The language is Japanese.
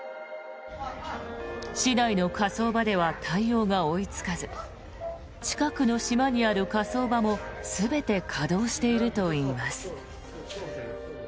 市内の火葬場では対応が追いつかず近くの島にある火葬場も全て稼働しているといいます。